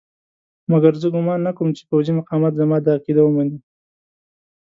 مګر زه ګومان نه کوم چې پوځي مقامات زما دا عقیده ومني.